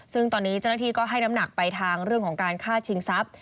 ซึ่งตอนนี้เจ้าหน้าที่ก็ให้น้ำหนักไปทางเรื่องของการฆ่าชิงทรัพย์